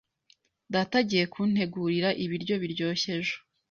Data agiye kuntegurira ibiryo biryoshye ejo.